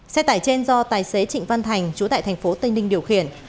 xe tải trên do tài xế trịnh văn thành chú tại tp tây ninh điều khiển